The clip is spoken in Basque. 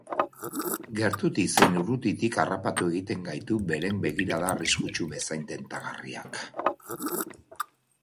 Gertutik zein urrutitik harrapatu egiten gaitu beren begirada arriskutsu bezain tentagarriak.